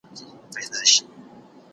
ورځي به دي توري سي له شپو به دي وتلی یم